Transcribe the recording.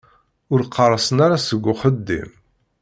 Ur qqerṣen ara seg uxeddim.